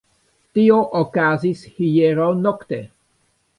Tio okazis hieraŭ nokte.